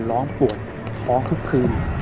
หลอน่อนปวดท้องทุกคืน